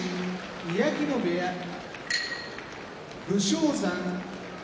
宮城野部屋武将山